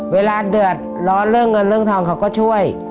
เวลาเดือดร้อนเรื่องเงินเรื่องทองเขาก็ช่วย